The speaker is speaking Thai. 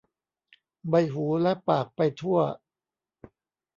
ใบหูและปากไปทั่ว